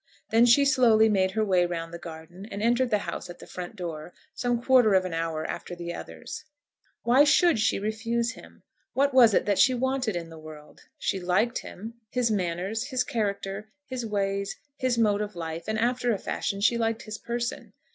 Then she slowly made her way round the garden, and entered the house at the front door, some quarter of an hour after the others. Why should she refuse him? What was it that she wanted in the world? She liked him, his manners, his character, his ways, his mode of life, and after a fashion she liked his person.